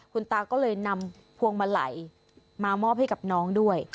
คุณตาก็เลยนำพวงมาลัยมามอบให้กับน้องด้วย